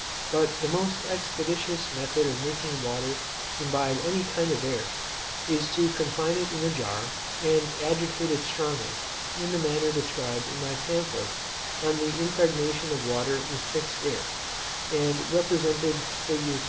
But the most expeditious method of making water imbibe any kind of air, is to confine it in a jar; and agitate it strongly, in the manner described in my pamphlet on the impregnation of water with fixed air, and represented fig.